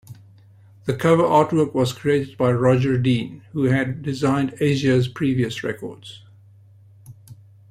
The cover artwork was created by Roger Dean, who had designed Asia's previous records.